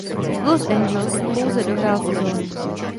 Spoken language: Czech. V Los Angeles pouze dohrál sezónu.